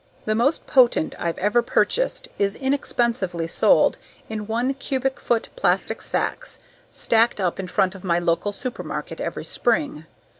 The most potent I've ever purchased is inexpensively sold in one cubic foot plastic sacks stacked up in front of my local supermarket every spring.